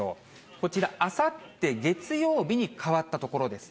こちら、あさって月曜日に変わったところです。